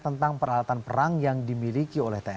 tentang peralatan perang yang dimiliki oleh tni